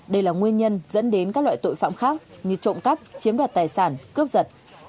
đây là nguyên nhân dẫn đến các loại tội phạm khác như trộm cắp chiếm đoạt tài sản cướp giật